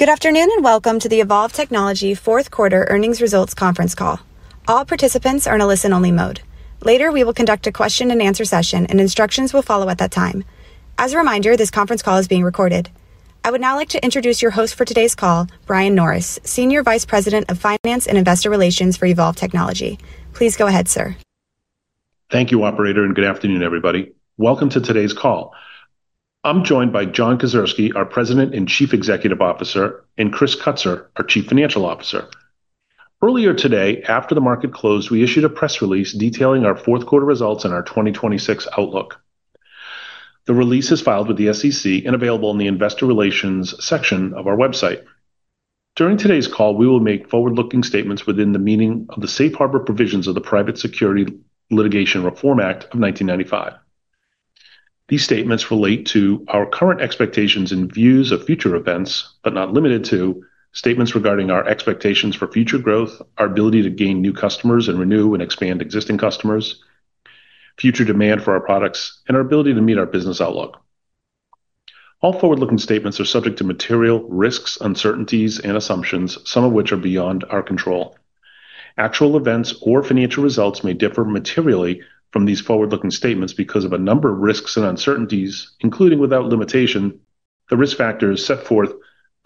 Good afternoon, and welcome to the Evolv Technology Fourth Quarter Earnings Results Conference Call. All participants are in a listen-only mode. Later, we will conduct a question-and-answer session, and instructions will follow at that time. As a reminder, this conference call is being recorded. I would now like to introduce your host for today's call, Brian Norris, Senior Vice President of Finance and Investor Relations for Evolv Technology. Please go ahead, sir. Thank you, operator, and good afternoon, everybody. Welcome to today's call. I'm joined by John Kedzierski, our President and Chief Executive Officer, and Chris Kutsor, our Chief Financial Officer. Earlier today, after the market closed, we issued a press release detailing our fourth quarter results and our 2026 outlook. The release is filed with the SEC and available in the investor relations section of our website. During today's call, we will make forward-looking statements within the meaning of the safe harbor provisions of the Private Securities Litigation Reform Act of 1995. These statements relate to our current expectations and views of future events, but not limited to statements regarding our expectations for future growth, our ability to gain new customers and renew and expand existing customers, future demand for our products, and our ability to meet our business outlook. All forward-looking statements are subject to material risks, uncertainties and assumptions, some of which are beyond our control. Actual events or financial results may differ materially from these forward-looking statements because of a number of risks and uncertainties, including without limitation, the risk factors set forth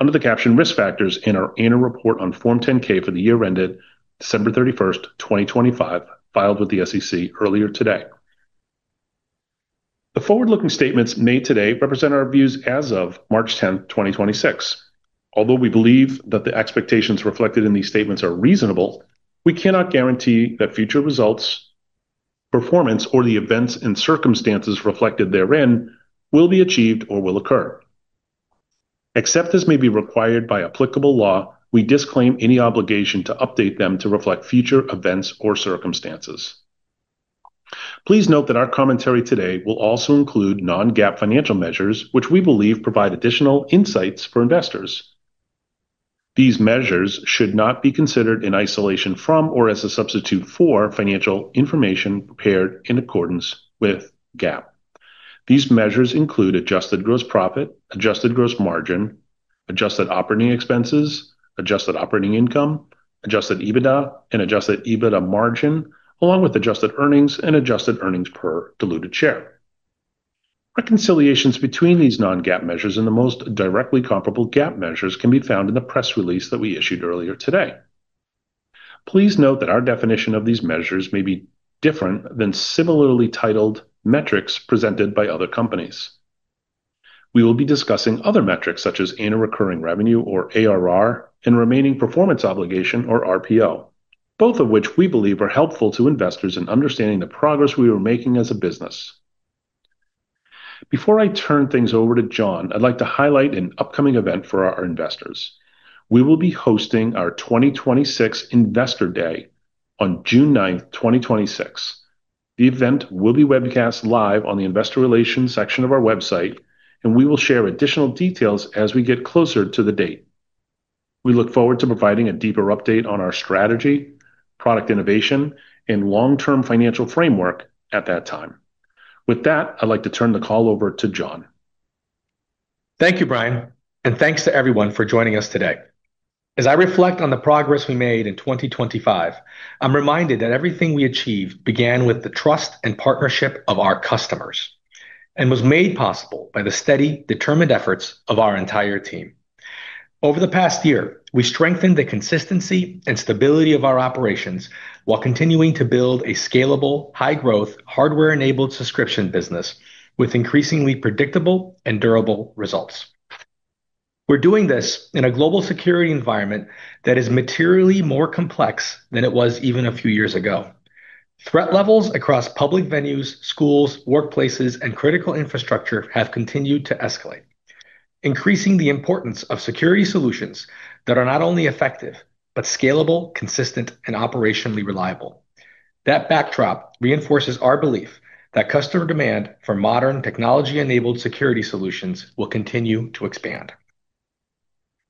under the caption Risk Factors in our annual report on Form 10-K for the year ended December 31st, 2025, filed with the SEC earlier today. The forward-looking statements made today represent our views as of March 10, 2026. Although we believe that the expectations reflected in these statements are reasonable, we cannot guarantee that future results, performance, or the events and circumstances reflected therein will be achieved or will occur. Except as may be required by applicable law, we disclaim any obligation to update them to reflect future events or circumstances. Please note that our commentary today will also include non-GAAP financial measures, which we believe provide additional insights for investors. These measures should not be considered in isolation from or as a substitute for financial information prepared in accordance with GAAP. These measures include adjusted gross profit, adjusted gross margin, adjusted operating expenses, adjusted operating income, adjusted EBITDA and adjusted EBITDA margin, along with adjusted earnings and adjusted earnings per diluted share. Reconciliations between these non-GAAP measures and the most directly comparable GAAP measures can be found in the press release that we issued earlier today. Please note that our definition of these measures may be different than similarly titled metrics presented by other companies. We will be discussing other metrics such as annual recurring revenue or ARR, and remaining performance obligation or RPO, both of which we believe are helpful to investors in understanding the progress we are making as a business. Before I turn things over to John, I'd like to highlight an upcoming event for our investors. We will be hosting our 2026 Investor Day on June 9th, 2026. The event will be webcast live on the Investor Relations section of our website, and we will share additional details as we get closer to the date. We look forward to providing a deeper update on our strategy, product innovation, and long-term financial framework at that time. With that, I'd like to turn the call over to John. Thank you, Brian, and thanks to everyone for joining us today. As I reflect on the progress we made in 2025, I'm reminded that everything we achieved began with the trust and partnership of our customers and was made possible by the steady, determined efforts of our entire team. Over the past year, we strengthened the consistency and stability of our operations while continuing to build a scalable, high growth, hardware-enabled subscription business with increasingly predictable and durable results. We're doing this in a global security environment that is materially more complex than it was even a few years ago. Threat levels across public venues, schools, workplaces, and critical infrastructure have continued to escalate, increasing the importance of security solutions that are not only effective but scalable, consistent, and operationally reliable. That backdrop reinforces our belief that customer demand for modern technology-enabled security solutions will continue to expand.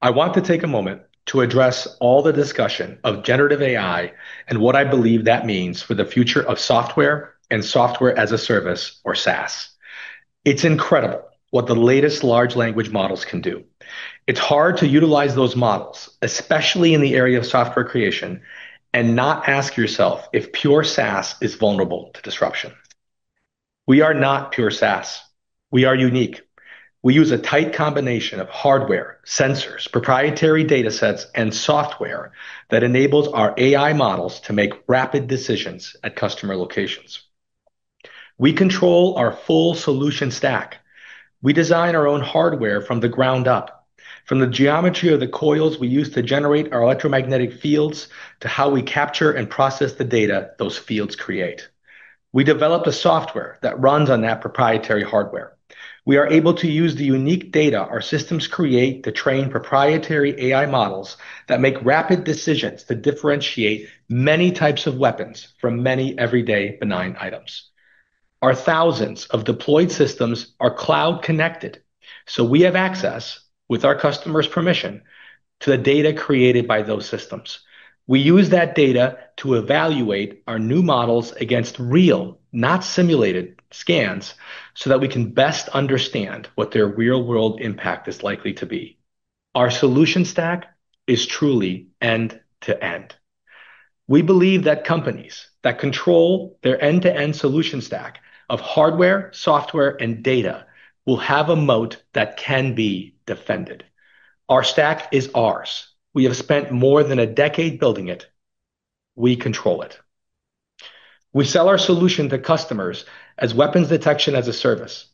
I want to take a moment to address all the discussion of generative AI and what I believe that means for the future of software and Software as a Service or SaaS. It's incredible what the latest large language models can do. It's hard to utilize those models, especially in the area of software creation, and not ask yourself if pure SaaS is vulnerable to disruption. We are not pure SaaS. We are unique. We use a tight combination of hardware, sensors, proprietary datasets, and software that enables our AI models to make rapid decisions at customer locations. We control our full solution stack. We design our own hardware from the ground up, from the geometry of the coils we use to generate our electromagnetic fields to how we capture and process the data those fields create. We develop the software that runs on that proprietary hardware. We are able to use the unique data our systems create to train proprietary AI models that make rapid decisions to differentiate many types of weapons from many everyday benign items. Our thousands of deployed systems are cloud connected, so we have access, with our customers' permission, to the data created by those systems. We use that data to evaluate our new models against real, not simulated, scans so that we can best understand what their real-world impact is likely to be. Our solution stack is truly end to end. We believe that companies that control their end-to-end solution stack of hardware, software, and data will have a moat that can be defended. Our stack is ours. We have spent more than a decade building it. We control it. We sell our solution to customers as weapons detection as a service.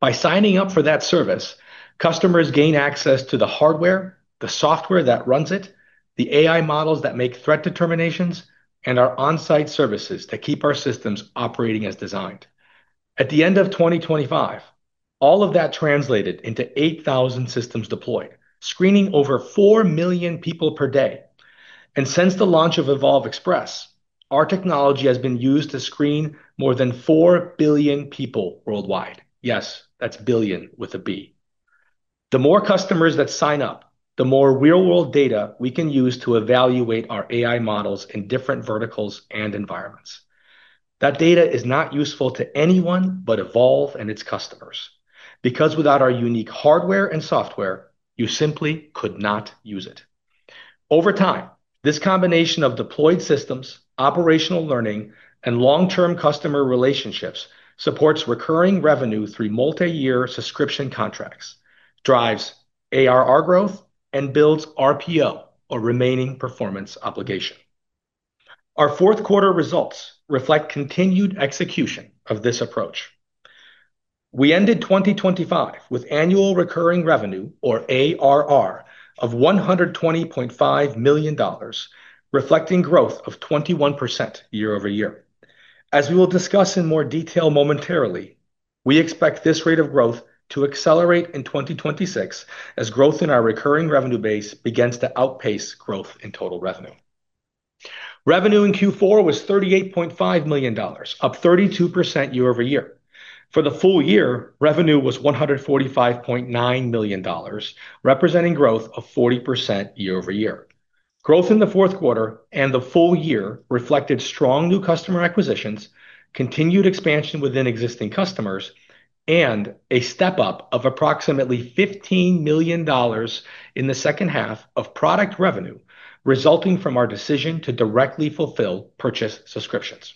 By signing up for that service, customers gain access to the hardware, the software that runs it, the AI models that make threat determinations, and our on-site services to keep our systems operating as designed. At the end of 2025, all of that translated into 8,000 systems deployed, screening over 4 million people per day. Since the launch of Evolv Express, our technology has been used to screen more than 4 billion people worldwide. Yes, that's billion with a B. The more customers that sign up, the more real-world data we can use to evaluate our AI models in different verticals and environments. That data is not useful to anyone but Evolv and its customers. Because without our unique hardware and software, you simply could not use it. Over time, this combination of deployed systems, operational learning, and long-term customer relationships supports recurring revenue through multiyear subscription contracts, drives ARR growth, and builds RPO, or remaining performance obligation. Our fourth quarter results reflect continued execution of this approach. We ended 2025 with annual recurring revenue, or ARR, of $120.5 million, reflecting growth of 21% year-over-year. As we will discuss in more detail momentarily, we expect this rate of growth to accelerate in 2026 as growth in our recurring revenue base begins to outpace growth in total revenue. Revenue in Q4 was $38.5 million, up 32% year-over-year. For the full year, revenue was $145.9 million, representing growth of 40% year-over-year. Growth in the fourth quarter and the full year reflected strong new customer acquisitions, continued expansion within existing customers, and a step-up of approximately $15 million in the second half of product revenue resulting from our decision to directly fulfill purchase subscriptions.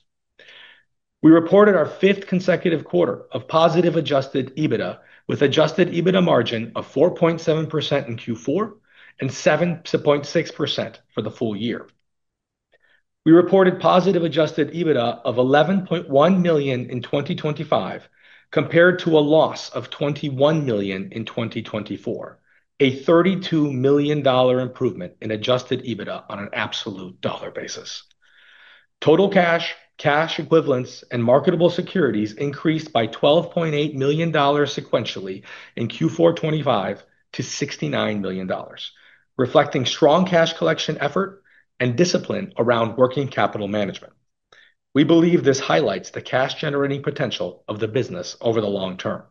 We reported our fifth consecutive quarter of positive adjusted EBITDA with adjusted EBITDA margin of 4.7% in Q4 and 7.6% for the full year. We reported positive adjusted EBITDA of $11.1 million in 2025 compared to a loss of $21 million in 2024, a $32 million improvement in adjusted EBITDA on an absolute dollar basis. Total cash, cash equivalents, and marketable securities increased by $12.8 million sequentially in Q4 2025 to $69 million, reflecting strong cash collection effort and discipline around working capital management. We believe this highlights the cash-generating potential of the business over the long term.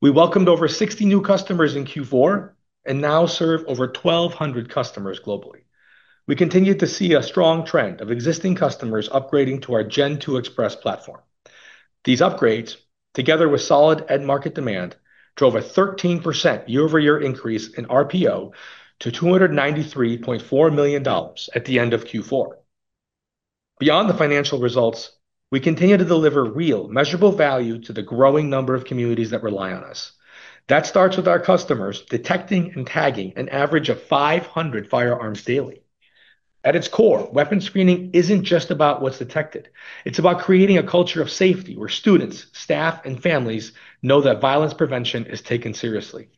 We welcomed over 60 new customers in Q4 and now serve over 1,200 customers globally. We continue to see a strong trend of existing customers upgrading to our Gen2 Express platform. These upgrades, together with solid end market demand, drove a 13% year-over-year increase in RPO to $293.4 million at the end of Q4. Beyond the financial results, we continue to deliver real, measurable value to the growing number of communities that rely on us. That starts with our customers detecting and tagging an average of 500 firearms daily. At its core, weapon screening isn't just about what's detected. It's about creating a culture of safety where students, staff, and families know that violence prevention is taken seriously.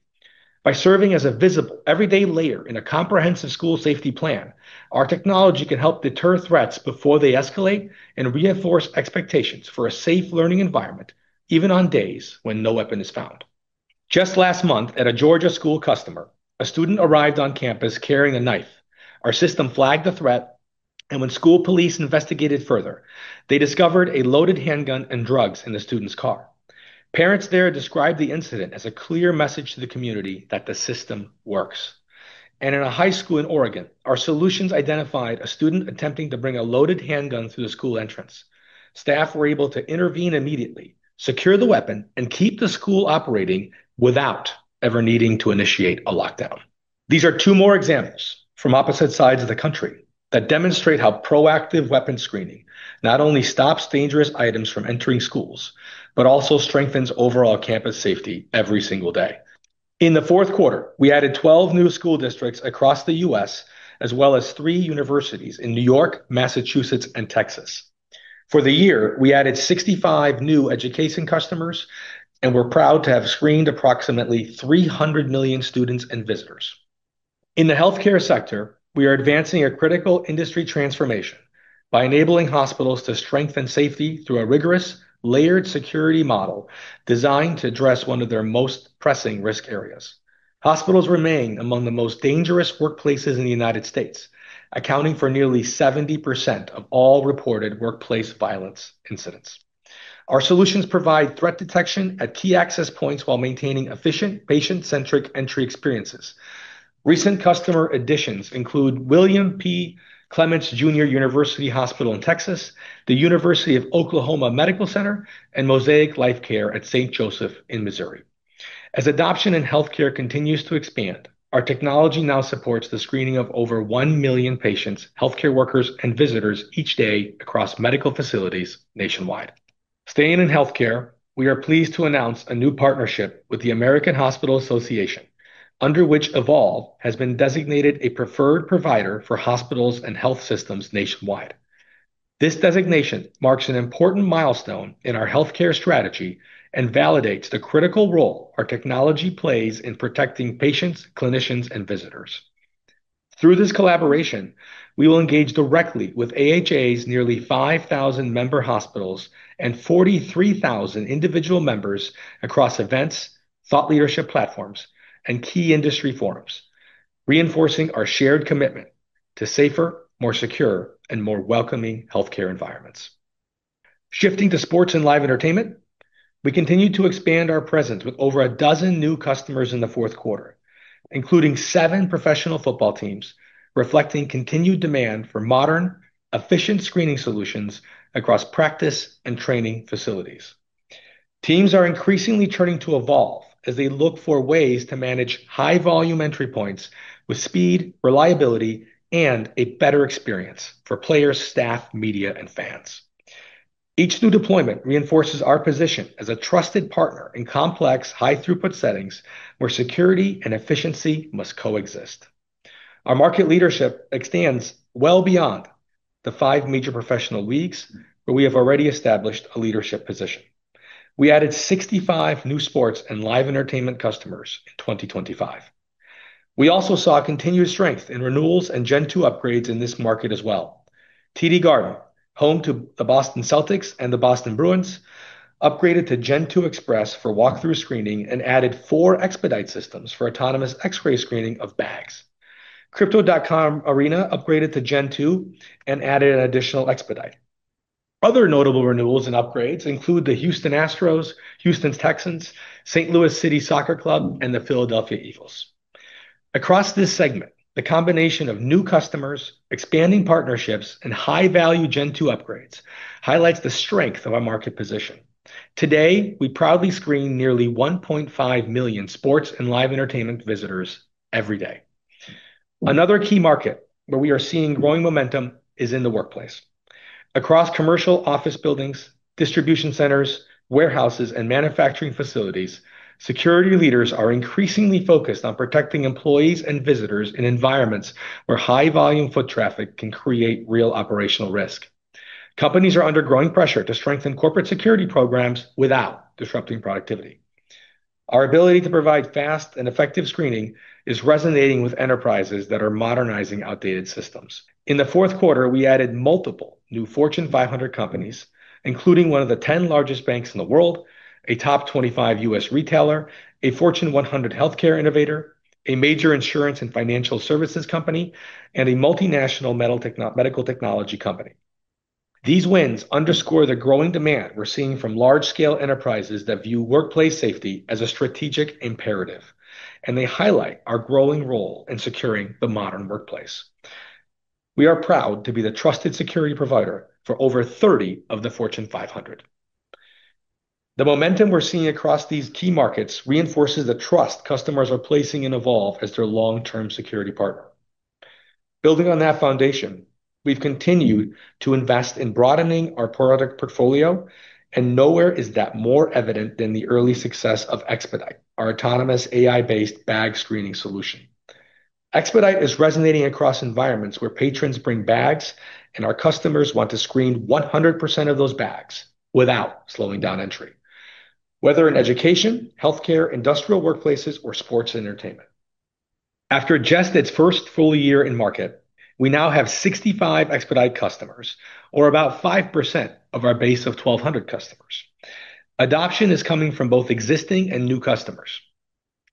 By serving as a visible, everyday layer in a comprehensive school safety plan, our technology can help deter threats before they escalate and reinforce expectations for a safe learning environment, even on days when no weapon is found. Just last month at a Georgia school customer, a student arrived on campus carrying a knife. Our system flagged the threat, and when school police investigated further, they discovered a loaded handgun and drugs in the student's car. Parents there described the incident as a clear message to the community that the system works. In a high school in Oregon, our solutions identified a student attempting to bring a loaded handgun through the school entrance. Staff were able to intervene immediately, secure the weapon, and keep the school operating without ever needing to initiate a lockdown. These are two more examples from opposite sides of the country that demonstrate how proactive weapon screening not only stops dangerous items from entering schools but also strengthens overall campus safety every single day. In the fourth quarter, we added 12 new school districts across the U.S. as well as three universities in New York, Massachusetts, and Texas. For the year, we added 65 new education customers, and we're proud to have screened approximately 300 million students and visitors. In the healthcare sector, we are advancing a critical industry transformation by enabling hospitals to strengthen safety through a rigorous, layered security model designed to address one of their most pressing risk areas. Hospitals remain among the most dangerous workplaces in the United States, accounting for nearly 70% of all reported workplace violence incidents. Our solutions provide threat detection at key access points while maintaining efficient, patient-centric entry experiences. Recent customer additions include William P. Clements Jr. University Hospital in Texas, the University of Oklahoma Medical Center, and Mosaic Life Care at St. Joseph in Missouri. As adoption in healthcare continues to expand, our technology now supports the screening of over 1 million patients, healthcare workers and visitors each day across medical facilities nationwide. Staying in healthcare, we are pleased to announce a new partnership with the American Hospital Association, under which Evolv has been designated a preferred provider for hospitals and health systems nationwide. This designation marks an important milestone in our healthcare strategy and validates the critical role our technology plays in protecting patients, clinicians, and visitors. Through this collaboration, we will engage directly with AHA's nearly 5,000 member hospitals and 43,000 individual members across events, thought leadership platforms, and key industry forums, reinforcing our shared commitment to safer, more secure, and more welcoming healthcare environments. Shifting to sports and live entertainment, we continue to expand our presence with over a dozen new customers in the fourth quarter, including seven professional football teams, reflecting continued demand for modern, efficient screening solutions across practice and training facilities. Teams are increasingly turning to Evolv as they look for ways to manage high volume entry points with speed, reliability, and a better experience for players, staff, media, and fans. Each new deployment reinforces our position as a trusted partner in complex, high throughput settings where security and efficiency must coexist. Our market leadership extends well beyond the five major professional leagues, where we have already established a leadership position. We added 65 new sports and live entertainment customers in 2025. We also saw continued strength in renewals and Gen2 upgrades in this market as well. TD Garden, home to the Boston Celtics and the Boston Bruins, upgraded to Gen2 Express for walk-through screening and added four eXpedite systems for autonomous x-ray screening of bags. Crypto.com Arena upgraded to Gen2 and added an additional eXpedite. Other notable renewals and upgrades include the Houston Astros, Houston Texans, St. Louis City SC, and the Philadelphia Eagles. Across this segment, the combination of new customers, expanding partnerships, and high-value Gen2 upgrades highlights the strength of our market position. Today, we proudly screen nearly 1.5 million sports and live entertainment visitors every day. Another key market where we are seeing growing momentum is in the workplace. Across commercial office buildings, distribution centers, warehouses, and manufacturing facilities, security leaders are increasingly focused on protecting employees and visitors in environments where high volume foot traffic can create real operational risk. Companies are under growing pressure to strengthen corporate security programs without disrupting productivity. Our ability to provide fast and effective screening is resonating with enterprises that are modernizing outdated systems. In the fourth quarter, we added multiple new Fortune 500 companies, including one of the 10 largest banks in the world, a top 25 U.S. retailer, a Fortune 100 healthcare innovator, a major insurance and financial services company, and a multinational medical technology company. These wins underscore the growing demand we're seeing from large-scale enterprises that view workplace safety as a strategic imperative, and they highlight our growing role in securing the modern workplace. We are proud to be the trusted security provider for over 30 of the Fortune 500. The momentum we're seeing across these key markets reinforces the trust customers are placing in Evolv as their long-term security partner. Building on that foundation, we've continued to invest in broadening our product portfolio, and nowhere is that more evident than the early success of eXpedite, our autonomous AI-based bag screening solution. eXpedite is resonating across environments where patrons bring bags and our customers want to screen 100% of those bags without slowing down entry. Whether in education, healthcare, industrial workplaces, or sports entertainment. After just its first full year in market, we now have 65 eXpedite customers, or about 5% of our base of 1,200 customers. Adoption is coming from both existing and new customers.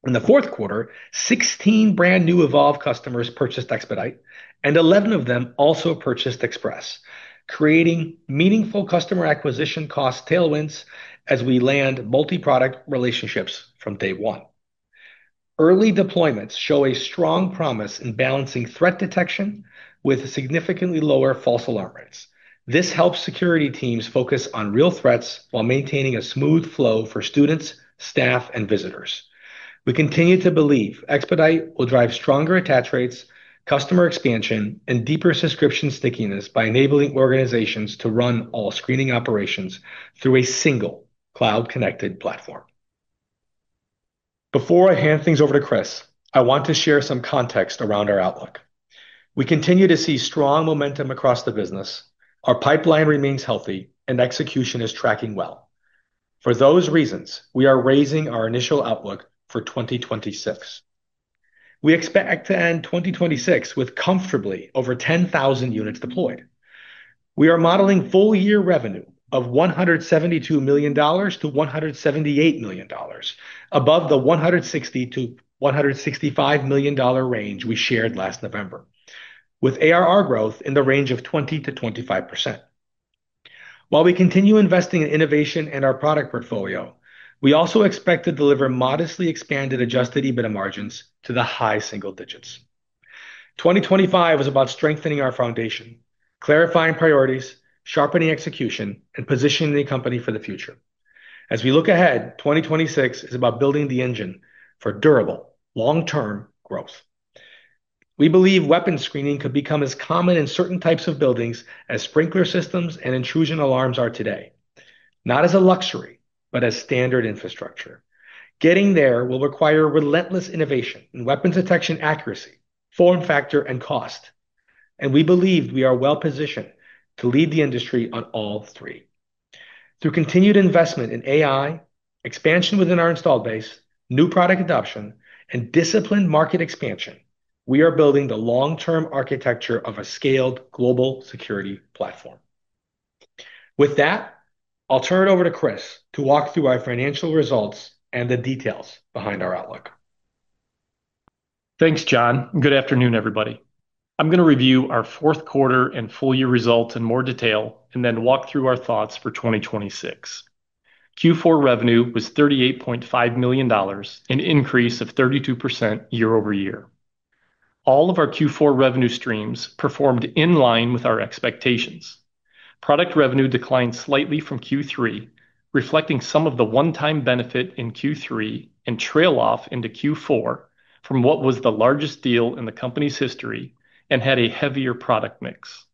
In the fourth quarter, 16 brand new Evolv customers purchased eXpedite, and 11 of them also purchased Express, creating meaningful customer acquisition cost tailwinds as we land multiproduct relationships from day one. Early deployments show a strong promise in balancing threat detection with significantly lower false alarm rates. This helps security teams focus on real threats while maintaining a smooth flow for students, staff, and visitors. We continue to believe eXpedite will drive stronger attach rates, customer expansion, and deeper subscription stickiness by enabling organizations to run all screening operations through a single cloud-connected platform. Before I hand things over to Chris, I want to share some context around our outlook. We continue to see strong momentum across the business. Our pipeline remains healthy and execution is tracking well. For those reasons, we are raising our initial outlook for 2026. We expect to end 2026 with comfortably over 10,000 units deployed. We are modeling full year revenue of $172 million-$178 million, above the $160 million-$165 million range we shared last November, with ARR growth in the range of 20%-25%. While we continue investing in innovation and our product portfolio, we also expect to deliver modestly expanded adjusted EBITDA margins to the high single digits. 2025 is about strengthening our foundation, clarifying priorities, sharpening execution, and positioning the company for the future. As we look ahead, 2026 is about building the engine for durable long-term growth. We believe weapon screening could become as common in certain types of buildings as sprinkler systems and intrusion alarms are today, not as a luxury, but as standard infrastructure. Getting there will require relentless innovation in weapon detection accuracy, form factor, and cost. We believe we are well-positioned to lead the industry on all three. Through continued investment in AI, expansion within our installed base, new product adoption, and disciplined market expansion, we are building the long-term architecture of a scaled global security platform. With that, I'll turn it over to Chris to walk through our financial results and the details behind our outlook. Thanks, John. Good afternoon, everybody. I'm gonna review our fourth quarter and full year results in more detail and then walk through our thoughts for 2026. Q4 revenue was $38.5 million, an increase of 32% year-over-year. All of our Q4 revenue streams performed in line with our expectations. Product revenue declined slightly from Q3, reflecting some of the one-time benefit in Q3 and trail off into Q4 from what was the largest deal in the company's history and had a heavier product mix.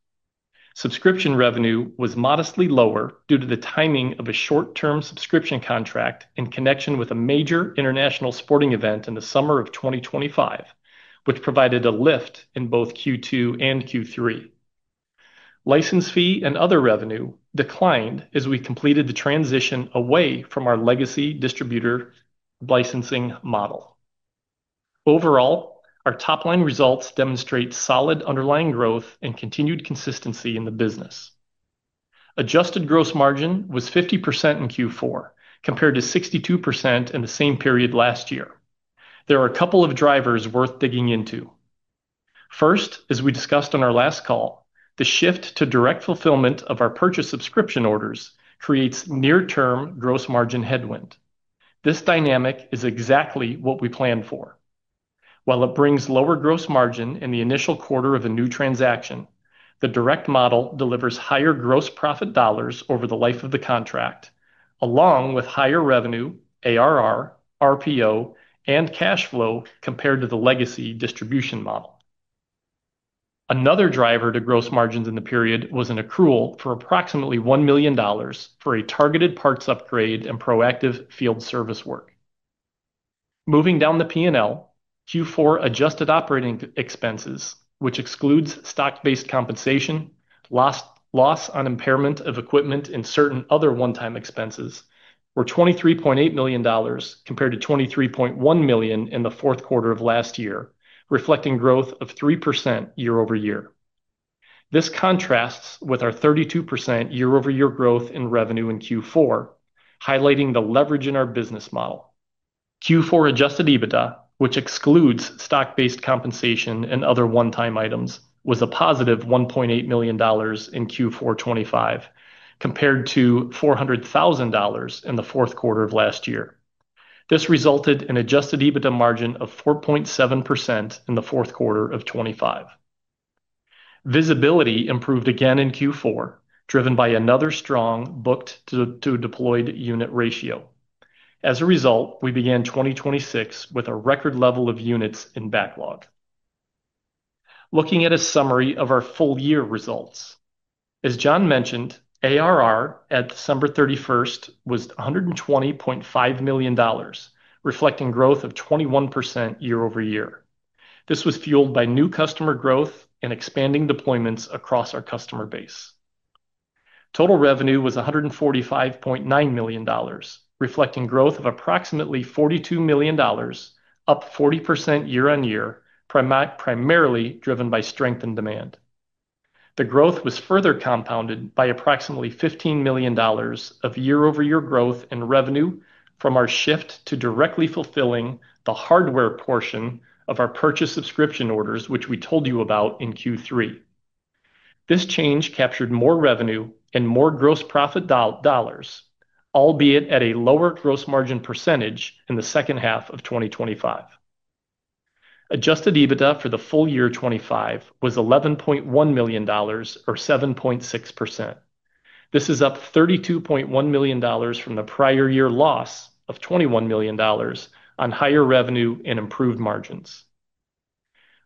Subscription revenue was modestly lower due to the timing of a short-term subscription contract in connection with a major international sporting event in the summer of 2025, which provided a lift in both Q2 and Q3. License fee and other revenue declined as we completed the transition away from our legacy distributor licensing model. Overall, our top-line results demonstrate solid underlying growth and continued consistency in the business. Adjusted gross margin was 50% in Q4 compared to 62% in the same period last year. There are a couple of drivers worth digging into. First, as we discussed on our last call, the shift to direct fulfillment of our purchase subscription orders creates near-term gross margin headwind. This dynamic is exactly what we planned for. While it brings lower gross margin in the initial quarter of a new transaction, the direct model delivers higher gross profit dollars over the life of the contract, along with higher revenue, ARR, RPO, and cash flow compared to the legacy distribution model. Another driver to gross margins in the period was an accrual for approximately $1 million for a targeted parts upgrade and proactive field service work. Moving down the P&L, Q4 adjusted operating expenses, which excludes stock-based compensation, loss on impairment of equipment, and certain other one-time expenses, were $23.8 million compared to $23.1 million in the fourth quarter of last year, reflecting growth of 3% year-over-year. This contrasts with our 32% year-over-year growth in revenue in Q4, highlighting the leverage in our business model. Q4 adjusted EBITDA, which excludes stock-based compensation and other one-time items, was a positive $1.8 million in Q4 2025 compared to $400,000 in the fourth quarter of last year. This resulted in adjusted EBITDA margin of 4.7% in the fourth quarter of 2025. Visibility improved again in Q4, driven by another strong booked to deployed unit ratio. As a result, we began 2026 with a record level of units in backlog. Looking at the summary of our full year results. As John mentioned, ARR at December 31st was $120.5 million, reflecting growth of 21% year-over-year. This was fueled by new customer growth and expanding deployments across our customer base. Total revenue was $145.9 million, reflecting growth of approximately $42 million, up 40% year-on-year, primarily driven by strength and demand. The growth was further compounded by approximately $15 million of year-over-year growth in revenue from our shift to directly fulfilling the hardware portion of our purchase subscription orders, which we told you about in Q3. This change captured more revenue and more gross profit dollars, albeit at a lower gross margin percentage in the second half of 2025. Adjusted EBITDA for the full year 2025 was $11.1 million or 7.6%. This is up $32.1 million from the prior year loss of $21 million on higher revenue and improved margins.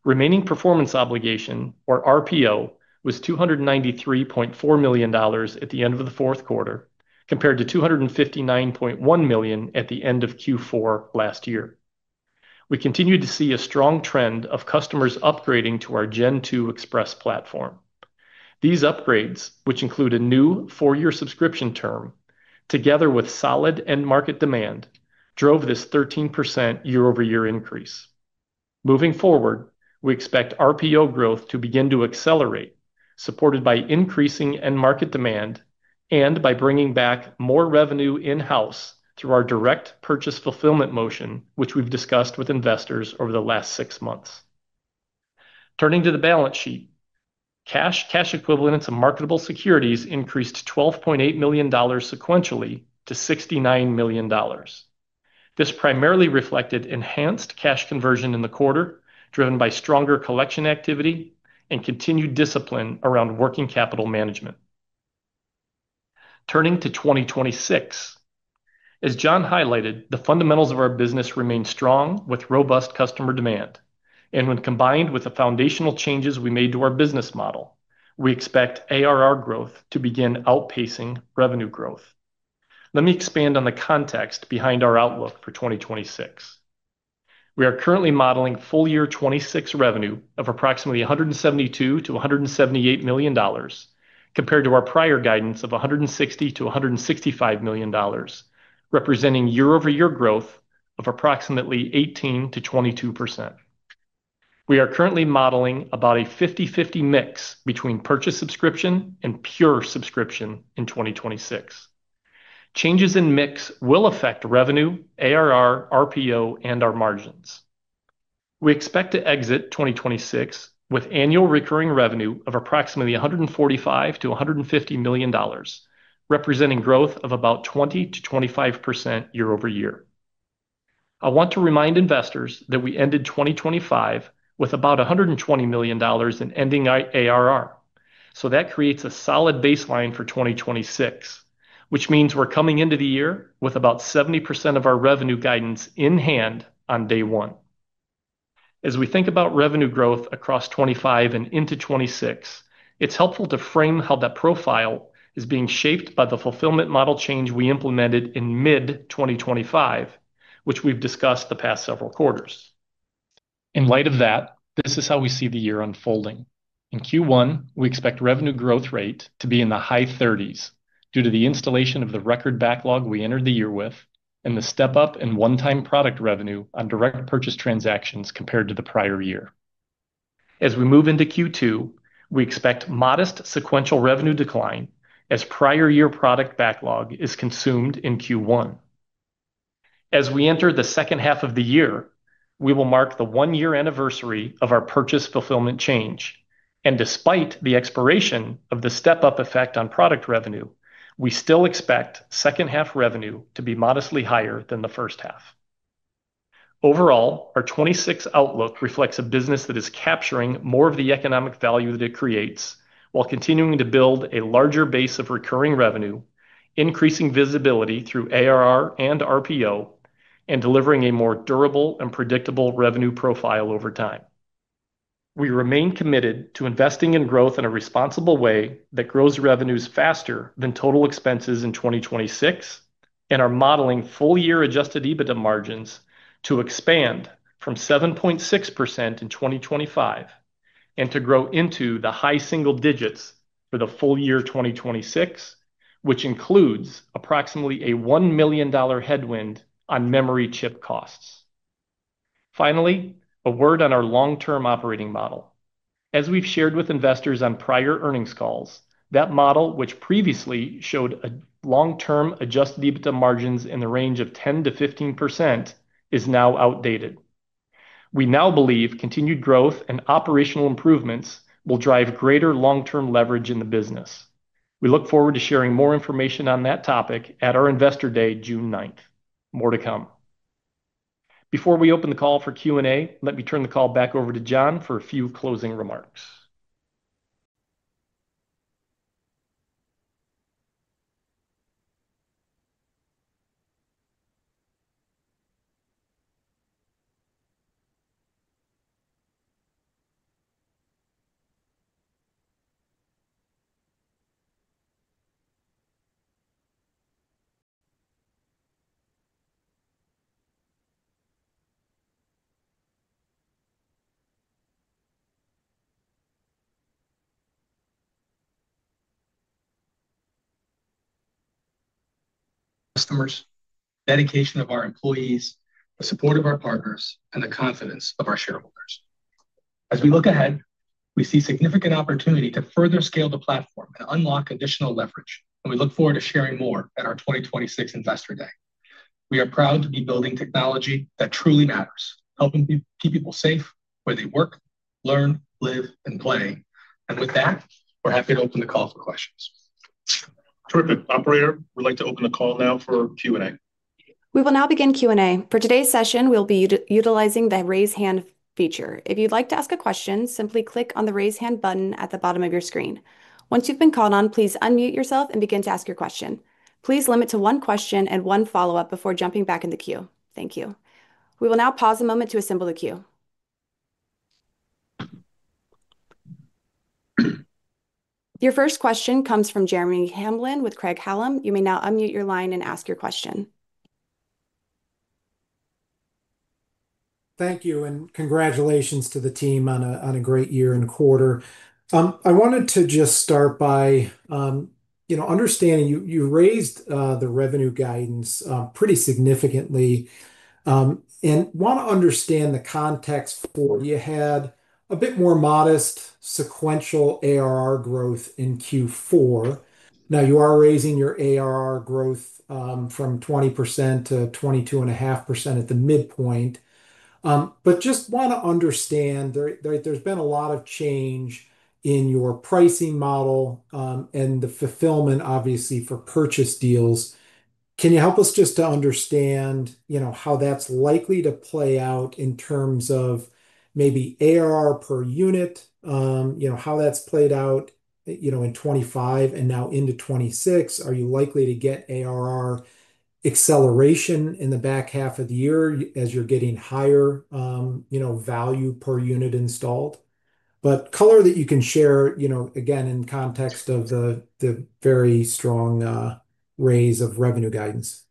Remaining performance obligation or RPO was $293.4 million at the end of the fourth quarter compared to $259.1 million at the end of Q4 last year. We continued to see a strong trend of customers upgrading to our Gen2 Express platform. These upgrades, which include a new four-year subscription term, together with solid end market demand, drove this 13% year-over-year increase. Moving forward, we expect RPO growth to begin to accelerate, supported by increasing end market demand and by bringing back more revenue in-house through our direct purchase fulfillment motion, which we've discussed with investors over the last six months. Turning to the balance sheet. Cash, cash equivalents, and marketable securities increased $12.8 million sequentially to $69 million. This primarily reflected enhanced cash conversion in the quarter, driven by stronger collection activity and continued discipline around working capital management. Turning to 2026. As John highlighted, the fundamentals of our business remain strong with robust customer demand. When combined with the foundational changes we made to our business model, we expect ARR growth to begin outpacing revenue growth. Let me expand on the context behind our outlook for 2026. We are currently modeling full year 2026 revenue of approximately $172 million-$178 million compared to our prior guidance of $160 million-$165 million, representing year-over-year growth of approximately 18%-22%. We are currently modeling about a 50/50 mix between purchase subscription and pure subscription in 2026. Changes in mix will affect revenue, ARR, RPO, and our margins. We expect to exit 2026 with annual recurring revenue of approximately $145 million-$150 million, representing growth of about 20%-25% year-over-year. I want to remind investors that we ended 2025 with about $120 million in ending ARR. That creates a solid baseline for 2026, which means we're coming into the year with about 70% of our revenue guidance in hand on day one. As we think about revenue growth across 2025 and into 2026, it's helpful to frame how that profile is being shaped by the fulfillment model change we implemented in mid-2025, which we've discussed the past several quarters. In light of that, this is how we see the year unfolding. In Q1, we expect revenue growth rate to be in the high 30s due to the installation of the record backlog we entered the year with and the step-up in one-time product revenue on direct purchase transactions compared to the prior year. As we move into Q2, we expect modest sequential revenue decline as prior year product backlog is consumed in Q1. As we enter the second half of the year, we will mark the one-year anniversary of our purchase fulfillment change. Despite the expiration of the step-up effect on product revenue, we still expect second half revenue to be modestly higher than the first half. Overall, our 2026 outlook reflects a business that is capturing more of the economic value that it creates while continuing to build a larger base of recurring revenue, increasing visibility through ARR and RPO, and delivering a more durable and predictable revenue profile over time. We remain committed to investing in growth in a responsible way that grows revenues faster than total expenses in 2026 and are modeling full year adjusted EBITDA margins to expand from 7.6% in 2025 and to grow into the high single digits for the full year 2026, which includes approximately $1 million headwind on memory chip costs. Finally, a word on our long-term operating model. As we've shared with investors on prior earnings calls, that model, which previously showed a long-term adjusted EBITDA margins in the range of 10%-15%, is now outdated. We now believe continued growth and operational improvements will drive greater long-term leverage in the business. We look forward to sharing more information on that topic at our Investor Day, June 9th. More to come. Before we open the call for Q&A, let me turn the call back over to John for a few closing remarks. Customers, dedication of our employees, the support of our partners, and the confidence of our shareholders. As we look ahead, we see significant opportunity to further scale the platform and unlock additional leverage, and we look forward to sharing more at our 2026 Investor Day. We are proud to be building technology that truly matters, helping keep people safe where they work, learn, live, and play. With that, we're happy to open the call for questions. Terrific. Operator, we'd like to open the call now for Q&A. We will now begin Q&A. For today's session, we'll be utilizing the Raise Hand feature. If you'd like to ask a question, simply click on the Raise Hand button at the bottom of your screen. Once you've been called on, please unmute yourself and begin to ask your question. Please limit to one question and one follow-up before jumping back in the queue. Thank you. We will now pause a moment to assemble the queue. Your first question comes from Jeremy Hamblin with Craig-Hallum. You may now unmute your line and ask your question. Thank you, and congratulations to the team on a great year and quarter. I wanted to just start by, you know, understanding you raised the revenue guidance pretty significantly. I wanna understand the context for you had a bit more modest sequential ARR growth in Q4. Now you are raising your ARR growth from 20% to 22.5% at the midpoint. Just wanna understand, there's been a lot of change in your pricing model, and the fulfillment obviously for purchase deals. Can you help us just to understand, you know, how that's likely to play out in terms of maybe ARR per unit? You know, how that's played out, you know, in 2025 and now into 2026. Are you likely to get ARR acceleration in the back half of the year as you're getting higher, you know, value per unit installed? Color that you can share, you know, again, in context of the very strong raised revenue guidance.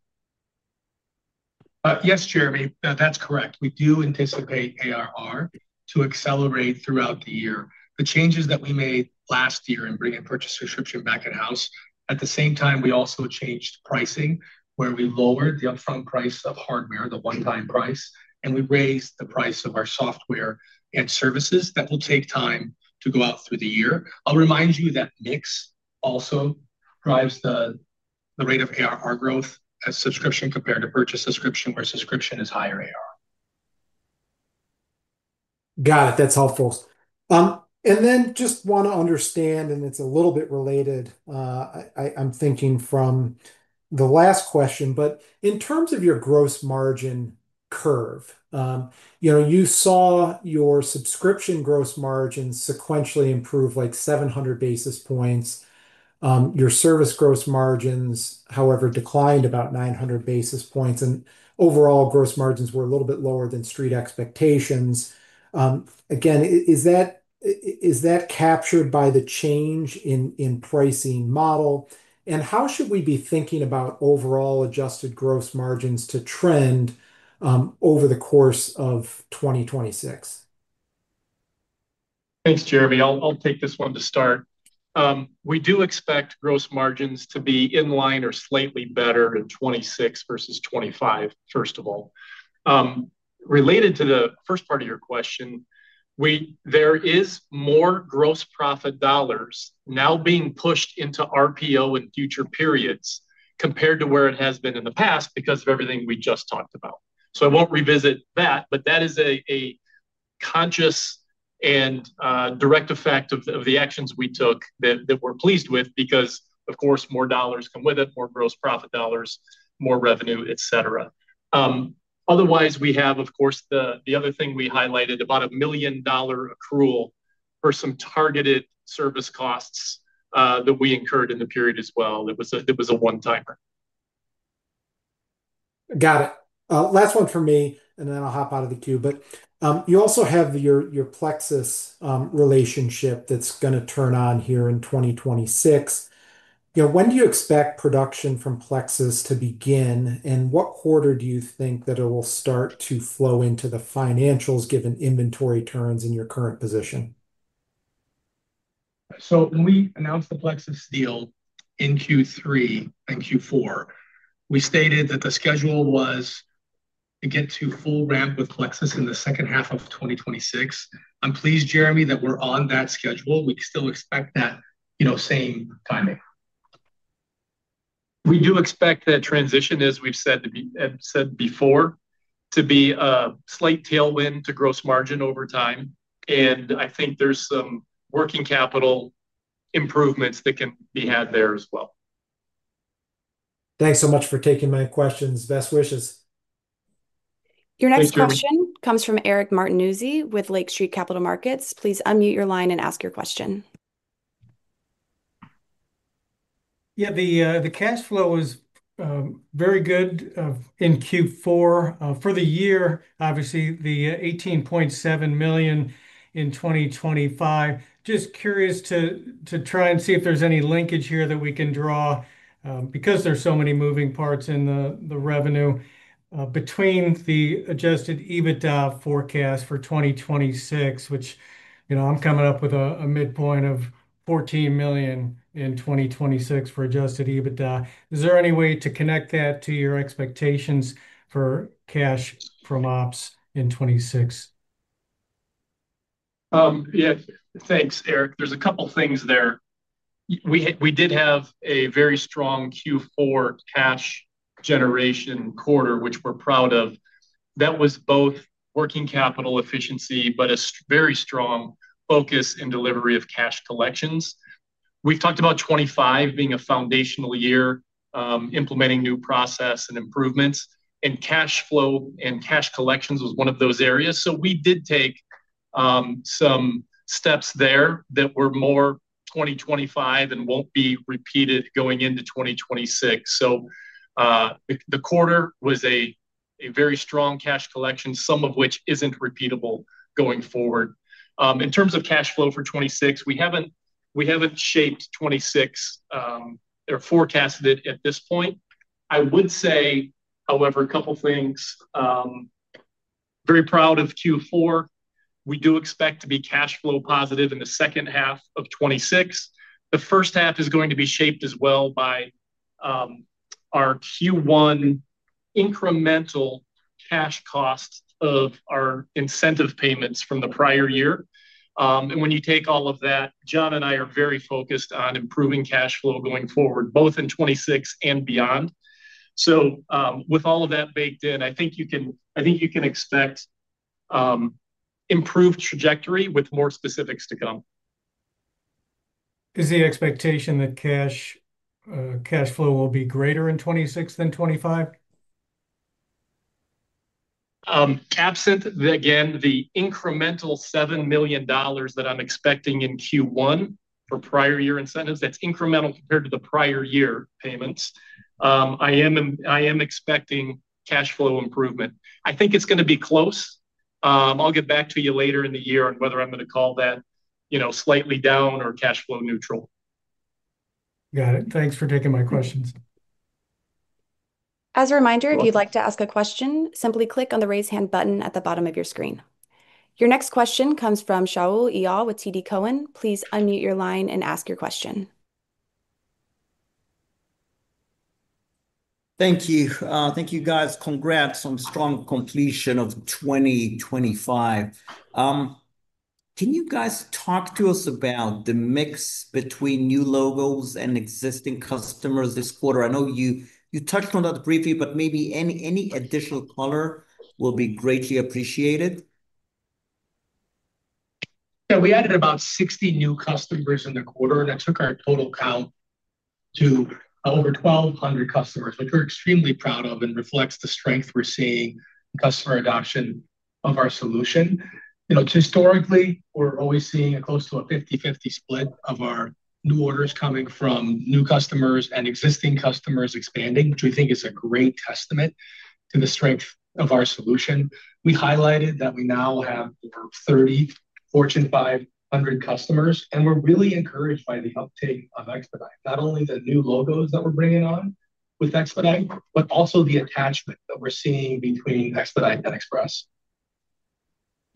Yes, Jeremy, that's correct. We do anticipate ARR to accelerate throughout the year. The changes that we made last year in bringing purchase subscription back in-house, at the same time we also changed pricing, where we lowered the upfront price of hardware, the one-time price, and we raised the price of our software and services. That will take time to go out through the year. I'll remind you that mix also drives the rate of ARR growth as subscription compared to purchase subscription, where subscription is higher ARR. Got it. That's helpful. Then just wanna understand, and it's a little bit related, I'm thinking from the last question, but in terms of your gross margin curve, you know, you saw your subscription gross margins sequentially improve like 700 basis points. Your service gross margins, however, declined about 900 basis points. Overall gross margins were a little bit lower than street expectations. Again, is that captured by the change in pricing model? How should we be thinking about overall adjusted gross margins to trend over the course of 2026? Thanks, Jeremy. I'll take this one to start. We do expect gross margins to be in line or slightly better in 2026 versus 2025, first of all. Related to the first part of your question, there is more gross profit dollars now being pushed into RPO in future periods compared to where it has been in the past because of everything we just talked about. I won't revisit that, but that is a conscious and direct effect of the actions we took that we're pleased with because of course more dollars come with it, more gross profit dollars, more revenue, et cetera. Otherwise we have of course the other thing we highlighted, about $1 million accrual for some targeted service costs that we incurred in the period as well. It was a one-timer. Got it. Last one from me, and then I'll hop out of the queue. You also have your Plexus relationship that's gonna turn on here in 2026. You know, when do you expect production from Plexus to begin, and what quarter do you think that it will start to flow into the financials given inventory turns in your current position? When we announced the Plexus deal in Q3 and Q4, we stated that the schedule was to get to full ramp with Plexus in the second half of 2026. I'm pleased, Jeremy, that we're on that schedule. We still expect that, you know, same timing. We do expect that transition, as we've said before, to be a slight tailwind to gross margin over time, and I think there's some working capital improvements that can be had there as well. Thanks so much for taking my questions. Best wishes. Thank you. Your next question comes from Eric Martinuzzi with Lake Street Capital Markets. Please unmute your line and ask your question. Yeah. The cash flow is very good in Q4. For the year, obviously the $18.7 million in 2025. Just curious to try and see if there's any linkage here that we can draw, because there's so many moving parts in the revenue, between the adjusted EBITDA forecast for 2026, which, you know, I'm coming up with a midpoint of $14 million in 2026 for adjusted EBITDA. Is there any way to connect that to your expectations for cash from ops in 2026? Yeah. Thanks, Eric. There's a couple things there. We did have a very strong Q4 cash generation quarter, which we're proud of. That was both working capital efficiency, but a very strong focus in delivery of cash collections. We've talked about 2025 being a foundational year, implementing new process and improvements, and cash flow and cash collections was one of those areas. We did take some steps there that were more 2025 and won't be repeated going into 2026. The quarter was a very strong cash collection, some of which isn't repeatable going forward. In terms of cash flow for 2026, we haven't shaped 2026 or forecasted it at this point. I would say, however, a couple things. Very proud of Q4. We do expect to be cash flow positive in the second half of 2026. The first half is going to be shaped as well by our Q1 incremental cash costs of our incentive payments from the prior year. When you take all of that, John and I are very focused on improving cash flow going forward, both in 2026 and beyond. With all of that baked in, I think you can expect improved trajectory with more specifics to come. Is the expectation that cash flow will be greater in 2026 than 2025? Absent the, again, the incremental $7 million that I'm expecting in Q1 for prior year incentives, that's incremental compared to the prior year payments, I am expecting cash flow improvement. I think it's gonna be close. I'll get back to you later in the year on whether I'm gonna call that, you know, slightly down or cash flow neutral. Got it. Thanks for taking my questions. Welcome As a reminder, if you'd like to ask a question, simply click on the Raise Hand button at the bottom of your screen. Your next question comes from Shaul Eyal with TD Cowen. Please unmute your line and ask your question. Thank you. Thank you, guys. Congrats on strong completion of 2025. Can you guys talk to us about the mix between new logos and existing customers this quarter? I know you touched on that briefly, but maybe any additional color will be greatly appreciated. Yeah. We added about 60 new customers in the quarter, and that took our total count to over 1,200 customers, which we're extremely proud of and reflects the strength we're seeing in customer adoption of our solution. You know, just historically, we're always seeing a close to a 50/50 split of our new orders coming from new customers and existing customers expanding, which we think is a great testament to the strength of our solution. We highlighted that we now have over 30 Fortune 500 customers, and we're really encouraged by the uptake of eXpedite. Not only the new logos that we're bringing on with eXpedite, but also the attachment that we're seeing between eXpedite and Express.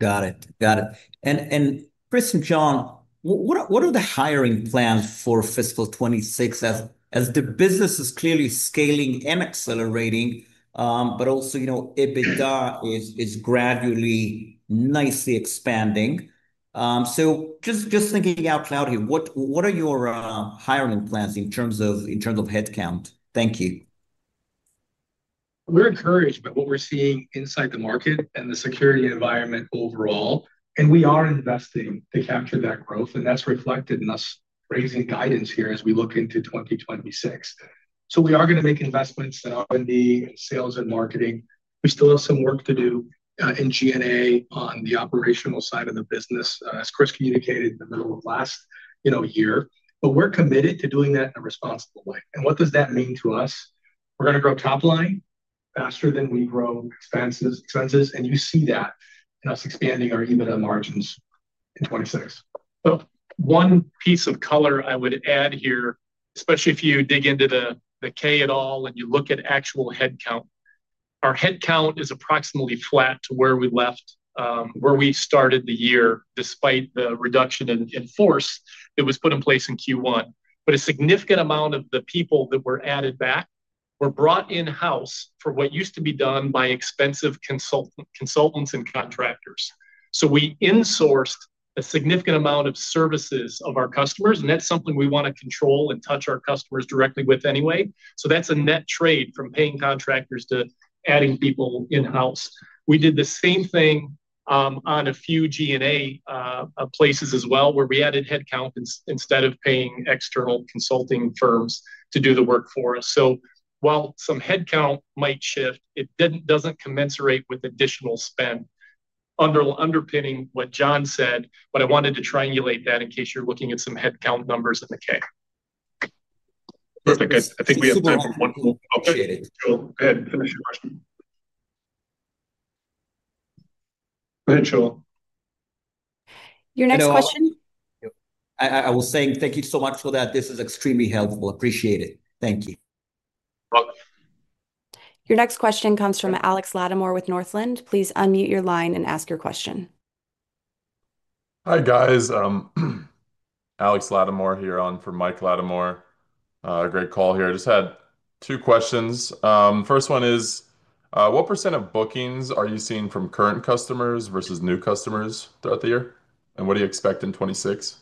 Got it. Chris and John, what are the hiring plans for fiscal 2026 as the business is clearly scaling and accelerating, but also, you know, EBITDA is gradually nicely expanding. Just thinking out loud here, what are your hiring plans in terms of headcount? Thank you. We're encouraged by what we're seeing inside the market and the security environment overall, and we are investing to capture that growth, and that's reflected in us raising guidance here as we look into 2026. We are gonna make investments in R&D and sales and marketing. We still have some work to do in G&A on the operational side of the business, as Chris communicated in the middle of last, you know, year. We're committed to doing that in a responsible way. What does that mean to us? We're gonna grow top line faster than we grow expenses, and you see that in us expanding our EBITDA margins in 2026. One piece of color I would add here, especially if you dig into the 10-K, et al., and you look at actual headcount. Our headcount is approximately flat to where we left, where we started the year, despite the reduction in force that was put in place in Q1. A significant amount of the people that were added back were brought in-house for what used to be done by expensive consultants and contractors. We insourced a significant amount of services of our customers, and that's something we wanna control and touch our customers directly with anyway. That's a net trade from paying contractors to adding people in-house. We did the same thing, on a few G&A places as well, where we added headcount instead of paying external consulting firms to do the work for us. While some headcount might shift, it didn't, doesn't commensurate with additional spend. Underpinning what John said, but I wanted to triangulate that in case you're looking at some headcount numbers in the K. Perfect. I think we have time for one more. Appreciate it. Go ahead. Finish your question. Go ahead, Shaul. Your next question. You know, I was saying thank you so much for that. This is extremely helpful. Appreciate it. Thank you. Welcome. Your next question comes from Alex Latimore with Northland. Please unmute your line and ask your question. Hi, guys. Alex Latimore here on for Michael Latimore. Great call here. I just had two questions. First one is, what % of bookings are you seeing from current customers versus new customers throughout the year? What do you expect in 2026?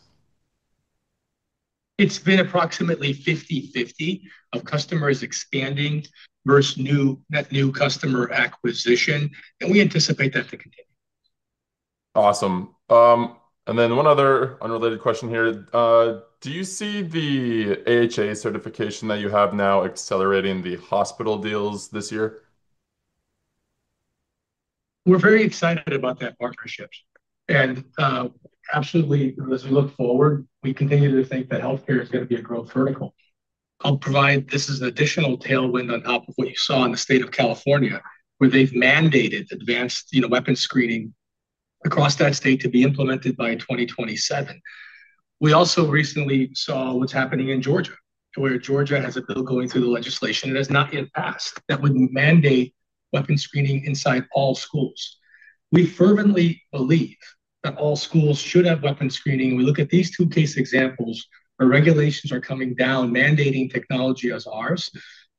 It's been approximately 50/50 of customers expanding versus net new customer acquisition, and we anticipate that to continue. Awesome. One other unrelated question here. Do you see the AHA certification that you have now accelerating the hospital deals this year? We're very excited about that partnership. Absolutely, as we look forward, we continue to think that healthcare is gonna be a growth vertical. This is an additional tailwind on top of what you saw in the state of California, where they've mandated advanced weapon screening across that state to be implemented by 2027. We also recently saw what's happening in Georgia, where Georgia has a bill going through the legislature, it has not yet passed, that would mandate weapon screening inside all schools. We fervently believe that all schools should have weapon screening. We look at these two case examples where regulations are coming down mandating technology as ours,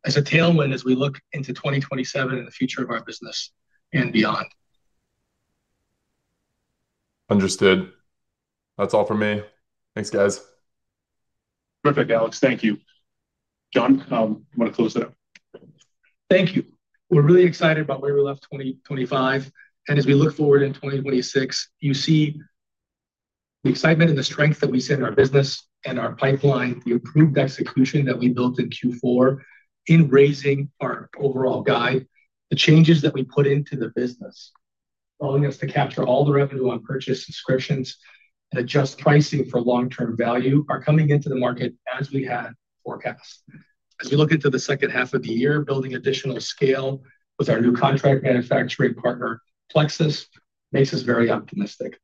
as a tailwind as we look into 2027 and the future of our business and beyond. Understood. That's all from me. Thanks, guys. Perfect, Alex. Thank you. John, you wanna close it out? Thank you. We're really excited about where we left 2025. As we look forward in 2026, you see the excitement and the strength that we see in our business and our pipeline, the improved execution that we built in Q4 in raising our overall guide, the changes that we put into the business, allowing us to capture all the revenue on purchased subscriptions and adjust pricing for long-term value are coming into the market as we had forecast. As we look into the second half of the year, building additional scale with our new contract manufacturing partner, Plexus, makes us very optimistic.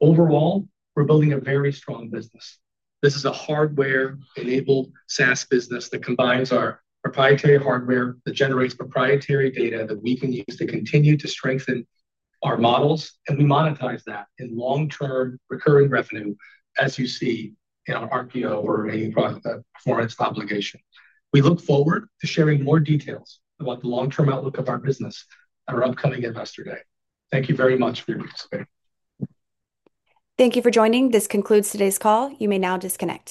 Overall, we're building a very strong business. This is a hardware-enabled SaaS business that combines our proprietary hardware that generates proprietary data that we can use to continue to strengthen our models, and we monetize that in long-term recurring revenue as you see in our RPO or remaining performance obligation. We look forward to sharing more details about the long-term outlook of our business at our upcoming Investor Day. Thank you very much for your participation. Thank you for joining. This concludes today's call. You may now disconnect.